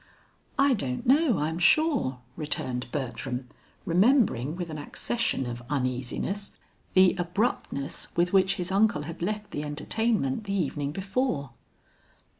"I don't know, I am sure," returned Bertram, remembering with an accession of uneasiness, the abruptness with which his uncle had left the entertainment the evening before.